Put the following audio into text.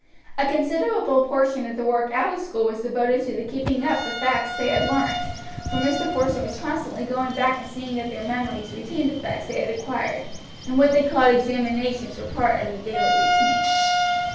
A considerable portion of the work out of school was devoted to the keeping up the facts they had learned, for Mr. Porson was constantly going back and seeing that their memories retained the facts they had acquired, and what they called examinations were a part of the daily routine.